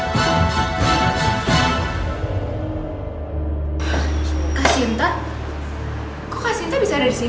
kok kak sinta bisa ada di sini